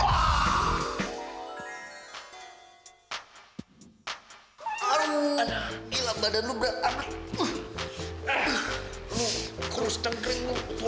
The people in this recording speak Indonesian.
eh gue mau duduk situ